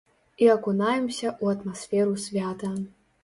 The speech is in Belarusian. І акунаемся ў атмасферу свята.